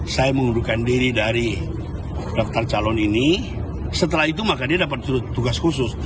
saya mengundurkan diri dari daftar calon ini setelah itu maka dia dapat tugas khusus